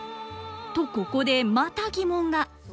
とここでまた疑問が。